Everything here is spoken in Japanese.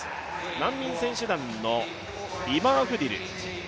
難民選手団のイバーフディル。